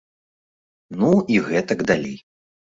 Ну і гэтак далей.